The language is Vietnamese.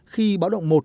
khi báo động một